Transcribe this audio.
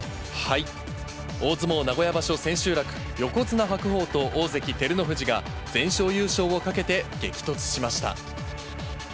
大相撲名古屋場所千秋楽、横綱・白鵬と大関・照ノ富士が全勝優勝をかけて激突しました。